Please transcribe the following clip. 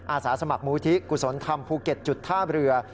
อาสาสมัครมูลที่กุศลธรรมภูเก็ตจุดท่าเรือ